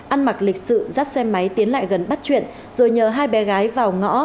ăn mặc lịch sự dắt xe máy tiến lại gần bắt chuyện rồi nhờ hai bé gái vào ngõ